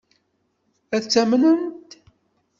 Ad t-amnent?